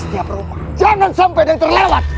setiap rumah jangan sampai ada yang terlewat